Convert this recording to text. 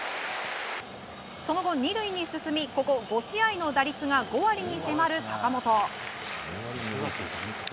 その後２塁に進み、ここ５試合の打率が５割に迫る坂本。